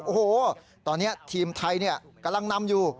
โอ้โหตอนนี้ทีมไทยกำลังนำอยู่